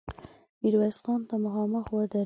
ميرويس خان ته مخامخ ودرېد.